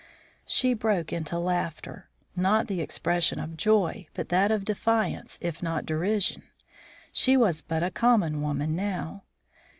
She broke into laughter, not the expression of joy, but that of defiance if not derision. She was but a common woman now.